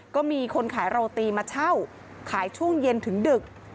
ก็มีคนขายโรตีมาเช่าขายช่วงเย็นถึงดึก